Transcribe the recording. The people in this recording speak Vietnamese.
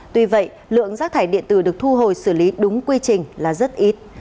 tuy vậy lượng rác thải điện tử được thu hồi xử lý đúng quy trình là rất ít